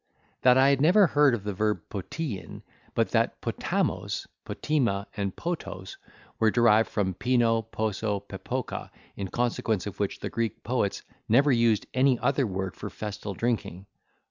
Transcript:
That I had never heard of the verb poteein, but that potamos, potema, and potos, were derived from pino, poso, pepoka, in consequence of which, the Greek poets never use any other word for festal drinking.